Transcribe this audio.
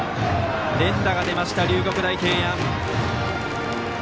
連打が出ました、龍谷大平安。